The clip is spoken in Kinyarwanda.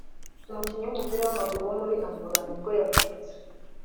umukinnyi w’umupira w’amaguru wo muri Angola ni bwo yavutse